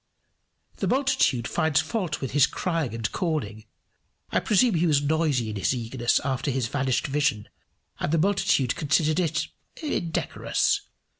] The multitude finds fault with his crying and calling. I presume he was noisy in his eagerness after his vanished vision, and the multitude considered it indecorous.